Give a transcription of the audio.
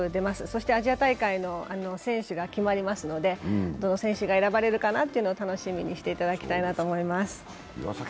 そしてアジア大会の選手が決まりますのでどの選手が選ばれるのかを楽しみにしていただきたいと思います。